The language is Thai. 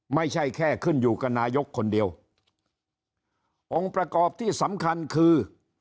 ไม่ใช่แค่ขึ้นอยู่กับนายกคนเดียวองค์ประกอบที่สำคัญคือ